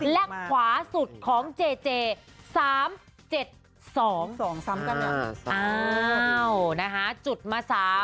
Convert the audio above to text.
และขวาสุดของเจเจ๓๗๒